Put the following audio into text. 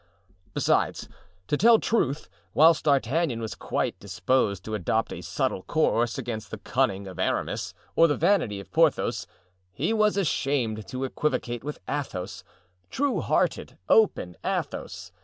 Besides, to tell truth, whilst D'Artagnan was quite disposed to adopt a subtle course against the cunning of Aramis or the vanity of Porthos, he was ashamed to equivocate with Athos, true hearted, open Athos.